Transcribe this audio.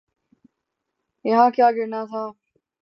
یہاں کیا گرنا تھا؟